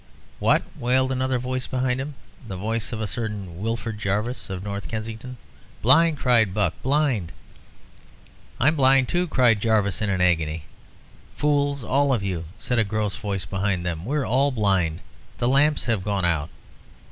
"What?" wailed another voice behind him, the voice of a certain Wilfred Jarvis of North Kensington. "Blind!" cried Buck; "blind!" "I'm blind too!" cried Jarvis, in an agony. "Fools, all of you," said a gross voice behind them; "we're all blind. The lamps have gone out."